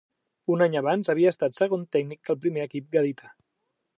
Un any abans, havia estat segon tècnic del primer equip gadità.